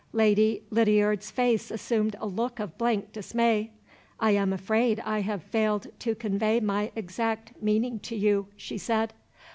Lady Lydiard's face assumed a look of blank dismay. "I am afraid I have failed to convey my exact meaning to you," she said.